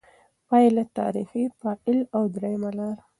پایله: «تاریخي فاعل» او درېیمه لار